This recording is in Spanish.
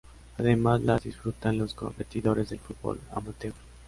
Además las disfrutan los competidores del fútbol amateur.